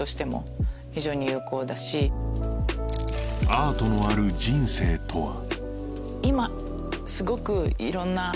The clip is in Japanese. アートのある人生とは？